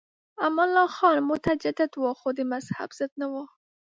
امان الله خان متجدد و خو د مذهب ضد نه و.